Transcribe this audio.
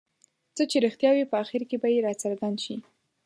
څه چې رښتیا وي په اخر کې به یې راڅرګند شي.